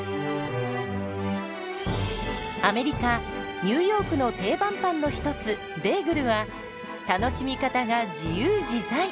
アメリカ・ニューヨークの定番パンの一つベーグルは楽しみ方が自由自在！